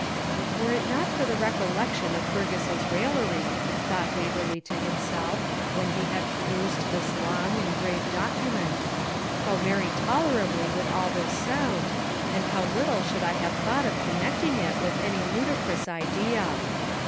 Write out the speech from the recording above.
"' 'Were it not for the recollection of Fergus's raillery,' thought Waverley to himself, when he had perused this long and grave document,' how very tolerably would all this sound, and how little should I have thought of connecting it with any ludicrous idea!